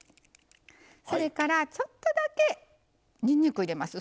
それからちょっとだけにんにくを入れます。